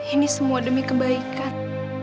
ini semua demi kebaikan